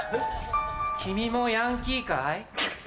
君もヤンキーかい？